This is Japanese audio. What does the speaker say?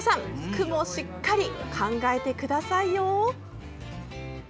句もしっかり考えてくださいよ！